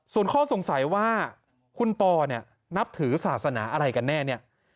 ส่วนข้อสงสัยว่าคุณปอเนี่ยนับถือศาสนาอะไรกันแน่เนี่ย